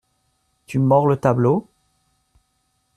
Tu mords le tableau ?